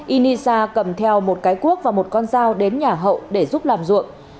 inisa cầm theo một cái cuốc và một con dao đến nhà hậu để giúp làm ruộng